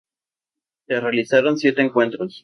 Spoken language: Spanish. Se realizaron siete encuentros.